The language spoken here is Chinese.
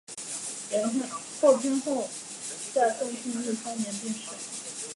后元昊在宋庆历三年病逝。